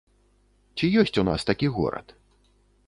Ці ёсць у нас такі горад?